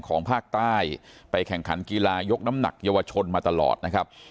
ของภาคใต้ไปแข่งขันกีฬายกน้ำหนักเยาวชนมาตลอดนะครับ